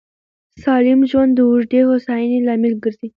سالم ژوند د اوږدې هوساینې لامل ګرځي.